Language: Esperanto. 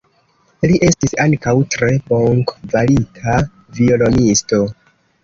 Li estis ankaŭ tre bonkvalita violonisto.